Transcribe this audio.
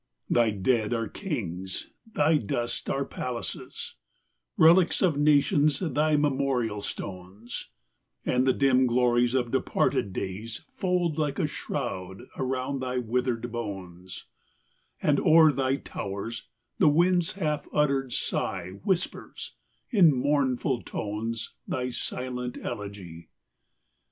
5 Alaric at Rome. XI. Thy dead are kings, thy dust are palaces, Rehcs of nations thy memorial stones : And the dim glories of departed days Fold like a shroud around thy withered bones : And o'er thy towers the wind's half uttered sigh Whispers, in mournful tones, thy silent elegy.